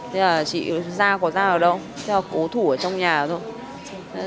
thế là chị ra có ra ở đâu thế là cố thủ ở trong nhà thôi